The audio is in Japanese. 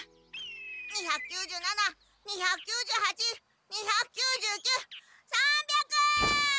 ２９７２９８２９９３００！